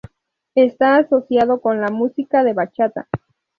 Está asociado con la música de bachata.